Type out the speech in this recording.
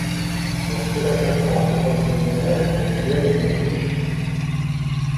Lorsqu'elle a quatre ans, sa famille déménage pour Vienne en Autriche.